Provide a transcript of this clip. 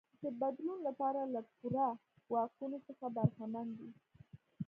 د بدلون لپاره له پوره واکونو څخه برخمن دی.